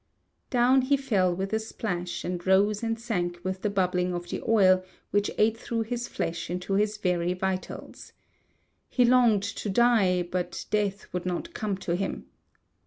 Down he fell with a splash, and rose and sank with the bubbling of the oil, which ate through his flesh into his very vitals. He longed to die, but death would not come to him.